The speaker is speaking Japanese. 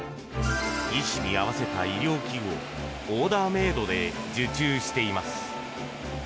医師に合わせた医療器具をオーダーメイドで受注しています。